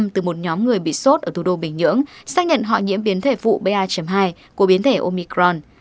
từ một nhóm người bị sốt ở thủ đô bình nhưỡng xác nhận họ nhiễm biến thể vụ ba hai của biến thể omicron